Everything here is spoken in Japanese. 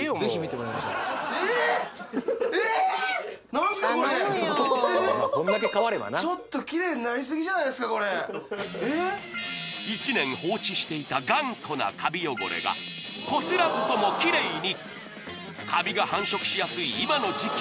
何すかこれえっちょっとキレイになりすぎじゃないですかこれえっ１年放置していた頑固なカビ汚れがこすらずともキレイにカビが繁殖しやすい今の時季